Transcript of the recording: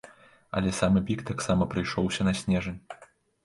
Але самы пік таксама прыйшоўся на снежань.